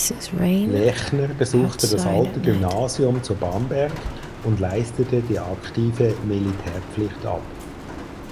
Lechner besuchte das Alte Gymnasium zu Bamberg und leistete die aktive Militärpflicht ab.